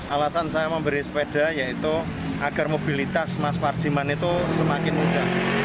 alasan saya memberi sepeda yaitu agar mobilitas mas parjiman itu semakin mudah